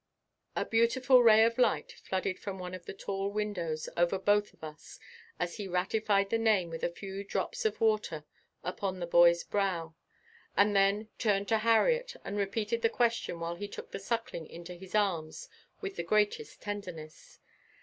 A beautiful ray of light flooded from one of the tall windows over both of us as he ratified the name with a few drops of water upon the boy's brow, and then turned to Harriet and repeated his question while he took the Suckling into his arms with the greatest tenderness.